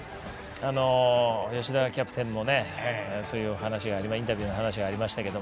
吉田キャプテンのそういうインタビューの話がありましたけど。